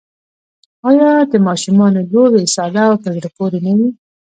آیا د ماشومانو لوبې ساده او په زړه پورې نه وي؟